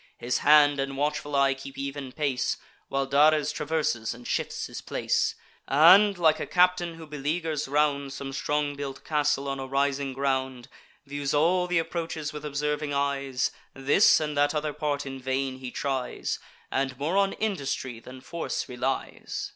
His hand and watchful eye keep even pace; While Dares traverses and shifts his place, And, like a captain who beleaguers round Some strong built castle on a rising ground, Views all th' approaches with observing eyes: This and that other part in vain he tries, And more on industry than force relies.